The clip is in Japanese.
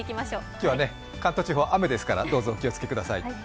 今日は関東地方、雨ですから皆さん、お気をつけください。